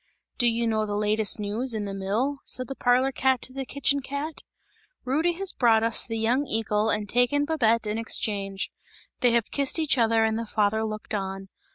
"Do you know the latest news in the mill?" said the parlour cat to the kitchen cat. "Rudy has brought us the young eagle and taken Babette in exchange. They have kissed each other and the father looked on.